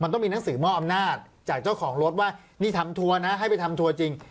ต้องมีหนังสือมอบอำนาจจากเจ้าของรถว่านี่ทำทัวร์นะให้ไปทำทัวร์จริง